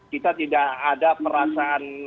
kita tidak ada perasaan